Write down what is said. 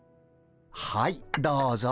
はいどうぞ。